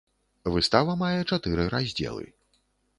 Выстава мае чатыры раздзелы.